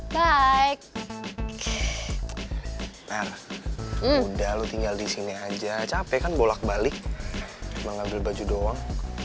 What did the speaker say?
per udah lo tinggal disini aja capek kan bolak balik cuma ngambil baju doang